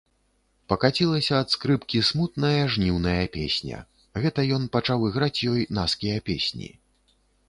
Пакацілася ад скрыпкі смутная жніўная песня, гэта ён пачаў іграць ёй наскія песні.